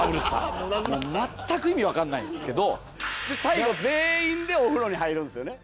もうまったく意味わかんないんですけど最後全員でお風呂に入るんですよね。